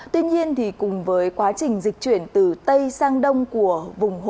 tuy nhiên thì cùng với quá trình dịch chuyển từ tây sang đông của vùng hồ